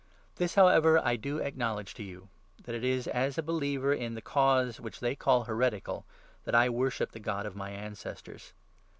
This, 14 however, I do acknowledge to you, that it is as a believer in the Cause which they call heretical, that I worship the God of my ancestors.